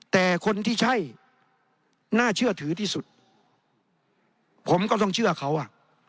แต่คนที่ใช่น่าเชื่อถือที่สุดผมก็ต้องเชื่อเขาอ่ะ